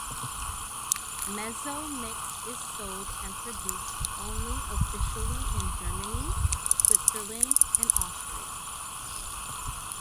Mezzo Mix is sold and produced only officially in Germany, Switzerland and Austria.